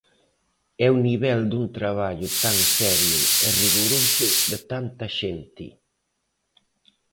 É o nivel dun traballo tan serio e rigoroso de tanta xente.